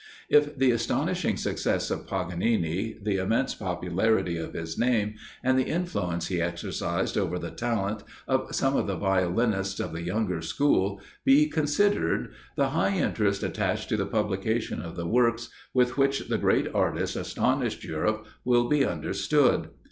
If the astonishing success of Paganini, the immense popularity of his name, and the influence he exercised over the talent of some of the violinists of the younger school, be considered, the high interest attached to the publication of the works with which the great artist astonished Europe, will be understood.